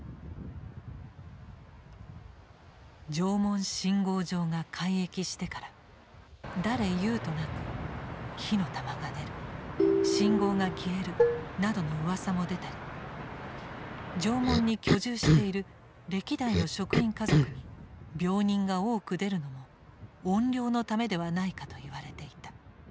「常紋信号場が開駅してから誰れ言うとなく『火の玉が出る』『信号が消える』などの噂も出たり常紋に居住している歴代の職員家族に病人が多く出るのも怨霊のためではないかと言われていた。